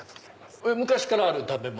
昔からある食べ物？